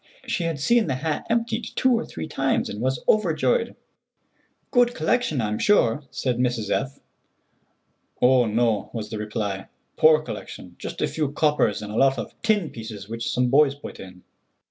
She had seen the hat emptied two or three times, and was overjoyed. "Good collection, I'm sure," said Mrs. F. "Oh, no," was the reply, "poor collection; just a few coppers and a lot of tin pieces which some boys put in."